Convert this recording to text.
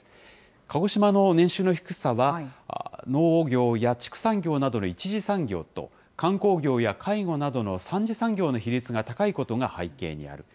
鹿児島の年収の低さは、農業や畜産業などの１次産業と観光業や介護などの３次産業の比率が高いことが背景にある。